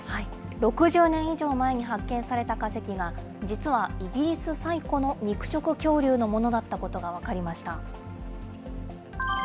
６０年以上前に発見された化石が、実はイギリス最古の肉食恐竜のものだったことが分かりました。